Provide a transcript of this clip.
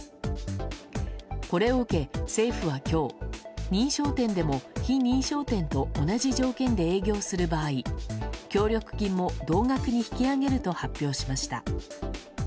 これを受け、政府は今日認証店でも非認証店と同じ条件で営業する場合協力金も同額に引き上げると発表しました。